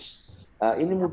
nah ini mudah